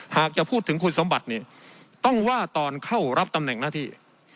หากจะพูดถึงคุณสมบัติเนี่ยต้องว่าตอนเข้ารับตำแหน่งหน้าที่